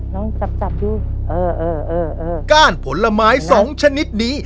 ลองจับจับดูเออเออก้านผลไม้สองชนิดนี้